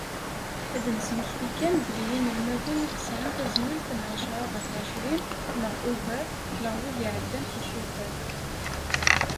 Ad d-nesmekti kan, belli inelmaden i yesɛan tazmilt n εecra ɣef εecrin neɣ ugar neɣ wid iɛeddan s usufeɣ.